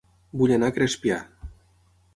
Vull anar a Crespià